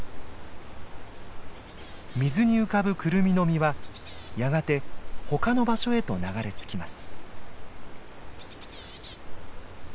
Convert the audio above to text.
水に浮かぶクルミの実はやがて他の場所へと流れ着きます。